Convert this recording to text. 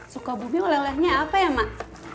sukabumi melelehnya apa ya emak